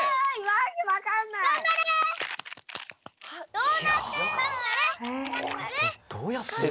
どうなってるの？